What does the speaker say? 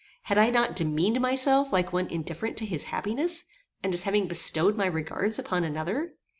Had I not demeaned myself like one indifferent to his happiness, and as having bestowed my regards upon another?